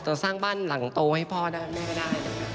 จะสร้างบ้านหลังโตให้พ่อได้แม่ก็ได้